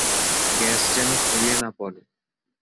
Gas যেন ছড়িয়ে না পড়ে।